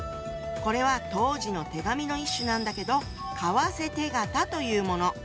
これは当時の手紙の一種なんだけど「為替手形」というもの。